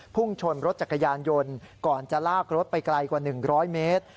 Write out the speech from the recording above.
พุ่งชนรถจักรยานยนต์ก่อนจะลากรถไปไกลกว่า๑๐๐เมตร